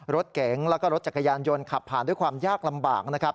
รถเก๋งแล้วก็รถจักรยานยนต์ขับผ่านด้วยความยากลำบากนะครับ